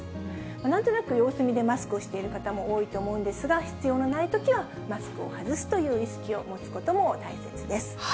なんとなく様子見でマスクをしている方も多いと思うんですが、必要のないときはマスクを外すという意識を持つことも大切です。